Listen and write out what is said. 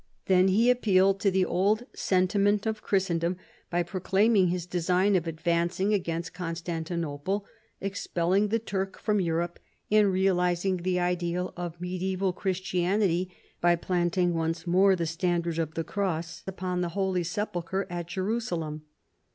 Then he appealed to the old sentiment of Christendom by pro claiming his design of advancing against Constantinople, expelling the Turk from Europe, and realising the ideal of mediaeval Christianity by planting once more the standard of the Cross upon the Holy Sepulchre at Jerusalem.